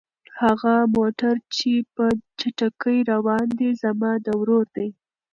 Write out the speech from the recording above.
هغه موټر چې په چټکۍ روان دی زما د ورور دی.